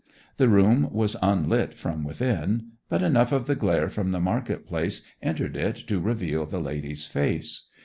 The room was unlit from within, but enough of the glare from the market place entered it to reveal the lady's face.